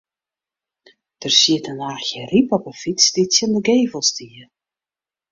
Der siet in laachje ryp op 'e fyts dy't tsjin de gevel stie.